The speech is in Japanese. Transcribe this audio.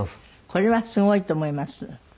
これはすごいと思います。